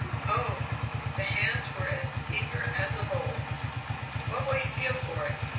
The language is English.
"Oh!" The hands were as eager as of old. "What will you give for it?"